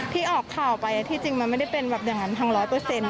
ที่ออกข่าวไปที่จริงมันไม่ได้เป็นแบบอย่างนั้นทางร้อยเปอร์เซ็นต์